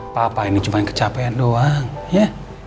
papa ini cuma kecapean doang ya